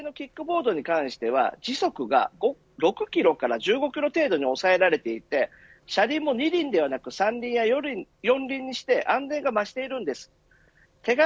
高齢者向けのキックボードに関しては時速が６キロメートルから１５キロ程度に抑えられていて車輪も二輪ではなく三輪や四輪にして安全が増しているんです。